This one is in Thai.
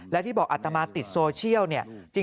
และที่บอกอัตมากติดโซเชียล